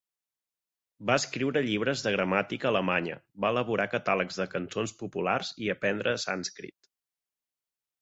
Va escriure llibres de gramàtica alemanya, va elaborar catàlegs de cançons populars i aprendre sànscrit.